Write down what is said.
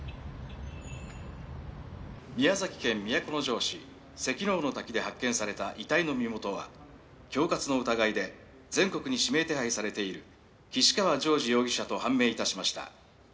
「宮崎県都城市関之尾滝で発見された遺体の身元は恐喝の疑いで全国に指名手配されている岸川譲司容疑者と判明致しました」